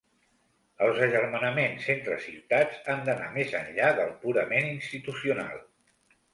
Els agermanaments entre ciutats han d’anar més enllà del purament institucional.